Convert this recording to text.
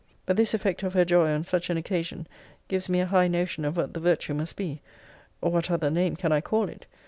But this effect of her joy on such an occasion gives me a high notion of what that virtue must be [What other name can I call it?